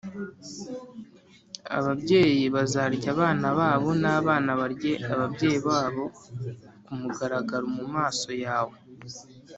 Ababyeyi bazarya abana babo n’abana barye ababyeyi babo ku mugaragaro mu maso yawe